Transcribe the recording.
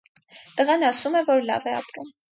Տղան ասում է, որ լավ է ապրում։